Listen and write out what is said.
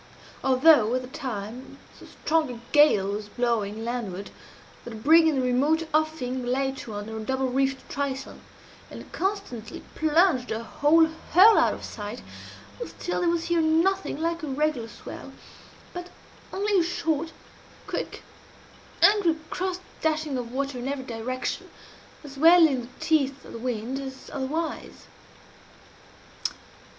Although, at the time, so strong a gale was blowing landward that a brig in the remote offing lay to under a double reefed trysail, and constantly plunged her whole hull out of sight, still there was here nothing like a regular swell, but only a short, quick, angry cross dashing of water in every direction as well in the teeth of the wind as otherwise.